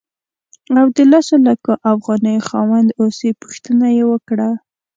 او د لسو لکو افغانیو خاوند اوسې پوښتنه یې وکړه.